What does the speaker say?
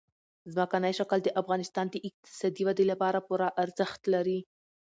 ځمکنی شکل د افغانستان د اقتصادي ودې لپاره پوره ارزښت لري.